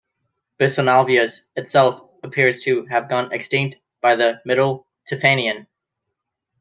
"Bisonalveus" itself appears to have gone extinct by the middle Tiffanian.